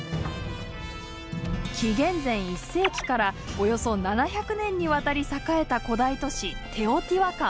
紀元前１世紀からおよそ７００年にわたり栄えた古代都市テオティワカン。